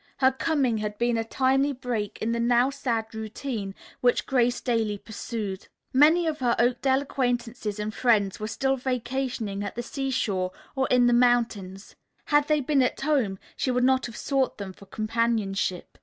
Her coming had been a timely break in the now sad routine which Grace daily pursued. Many of her Oakdale acquaintances and friends were still vacationing at the seashore or in the mountains. Had they been at home, she would not have sought them for companionship.